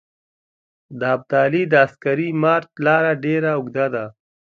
د ابدالي د عسکري مارچ لاره ډېره اوږده ده.